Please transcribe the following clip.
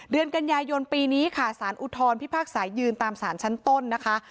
เดือนกันยายนปีนี้ค่ะสารอุทธรพิพากษายืนตามสารชั้นต้นนะคะ